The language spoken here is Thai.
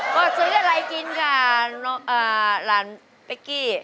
ก็ซื้ออะไรกินค่ะหลานเป๊กกี้